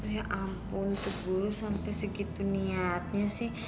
ya ampun untuk guru sampai segitu niatnya sih